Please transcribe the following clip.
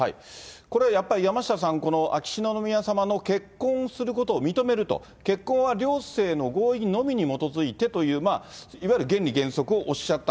これはやっぱり、山下さん、秋篠宮さまの結婚することを認めると、結婚は両性の合意にのみに基づいてという、いわゆる原理原則をおっしゃった、